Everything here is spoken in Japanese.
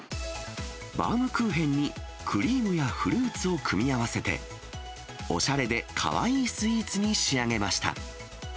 バウムクーヘンにクリームやフルーツを組み合わせて、おしゃれでかわいいスイーツに仕上げました。